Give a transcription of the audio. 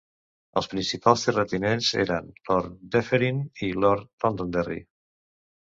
Els principals terratinents eren Lord Dufferin i Lord Londonderry.